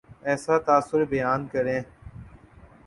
اپنا تاثر بیان کریں